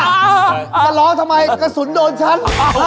จะล้อทำไมกระสุนโดนฉัน